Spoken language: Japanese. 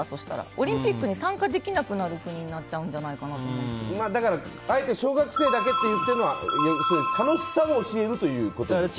オリンピックに参加できなくなる国になっちゃうんじゃないかなとだからあえて小学生だけって言っているのは楽しさを教えるということですね。